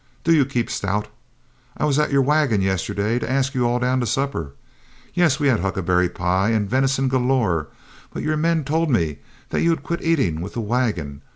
Do you keep stout? I was up at your wagon yesterday to ask you all down to supper. Yes, we had huckleberry pie and venison galore, but your men told me that you had quit eating with the wagon.